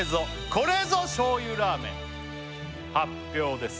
これぞ醤油ラーメン発表です